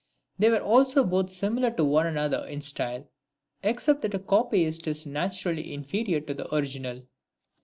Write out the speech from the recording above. They were also both similar to one another in style, except that a copyist is naturally inferior to the original.